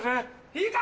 いいか？